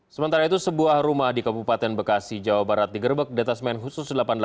sementara itu sebuah rumah di kabupaten bekasi jawa barat digerebek detasmen khusus delapan puluh delapan